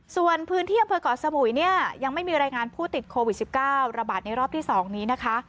ส่วนพื้นที่อำเภอกเกาะสมุยเนี่ยยังไม่มีรายงานผู้ติดโควิด๑๙ระบาดในรอบที่๒นี้นะคะ